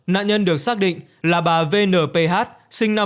nạn nhân được xác định là bà vnph sinh năm một nghìn chín trăm năm mươi một